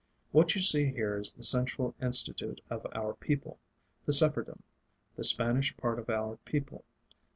What you see here is the central Institute of our People, the Sephardim the Spanish part of our People.